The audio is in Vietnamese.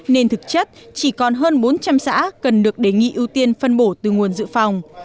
nên thực chất chỉ còn hơn bốn trăm linh xã cần được đề nghị ưu tiên phân bổ từ nguồn dự phòng